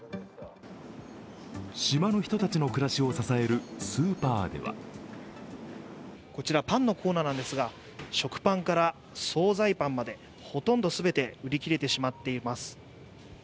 島の人たちの暮らしを支えるスーパーではこちら、パンのコーナーなんですが食パンから総菜パンまでほとんど全て、売り切れてしまっています。